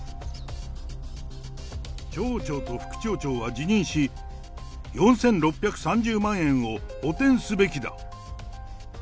町長と副町長は辞任し、４６３０万円を補填すべきだ。